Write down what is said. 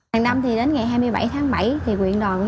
hàng năm thì đến ngày hai mươi bảy tháng bảy thì huyện đòi huyện đòi